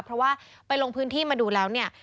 เพราะว่าไปลงพื้นที่มาดูแล้วเนี่ย